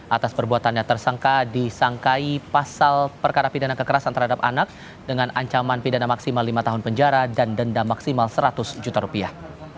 atas perbuatannya tersangka disangkai pasal perkara pidana kekerasan terhadap anak dengan ancaman pidana maksimal lima tahun penjara dan denda maksimal seratus juta rupiah